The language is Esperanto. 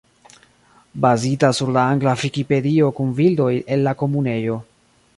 Bazita sur la angla Vikipedio kun bildoj el la Komunejo.